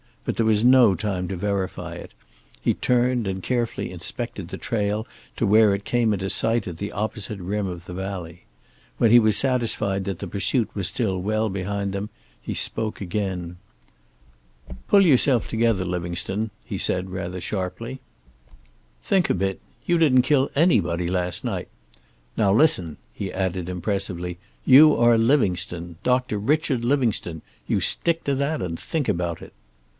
But there was no time to verify it. He turned and carefully inspected the trail to where it came into sight at the opposite rim of the valley. When he was satisfied that the pursuit was still well behind them he spoke again. "Pull yourself together, Livingstone," he said, rather sharply. "Think a bit. You didn't kill anybody last night. Now listen," he added impressively. "You are Livingstone, Doctor Richard Livingstone. You stick to that, and think about it."